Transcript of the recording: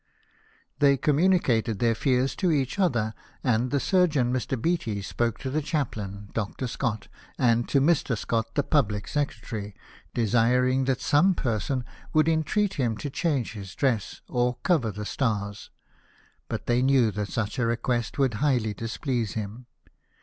They communicated their fears to each other; and the surgeon, Mr. Beatty,* spoke to the chaplain, Dr. Scott, and to Mr. Scott, the public secretary, desiring that some person would entreat him to change his dress, or cover the stars ; but they knew that such a request would highly displease him.